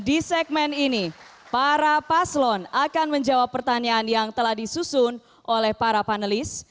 di segmen ini para paslon akan menjawab pertanyaan yang telah disusun oleh para panelis